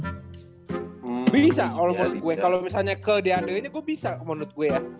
tapi juga bisa kalo misalnya ke deandre ini gua bisa menurut gue ya